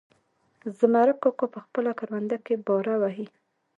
زمرک کاکا په خپله کرونده کې باره وهي.